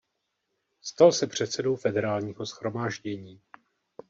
Stal se předsedou Federálního shromáždění.